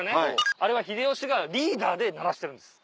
あれは秀吉がリーダーで鳴らしてるんです。